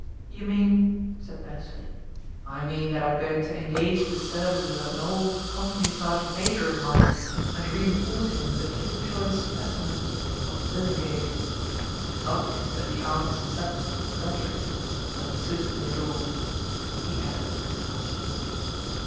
"You mean ?" said Beresford. "I mean that I'm going to engage the services of 8oe THE RAIN GIRL an old company^ergeantHHt jor of mine, and reii force him with a few choice ipedmena of Billing gate. It is obvioui that the Aunt is suKeptible t rhetorio— when suitably adorned," he added as a afterthought.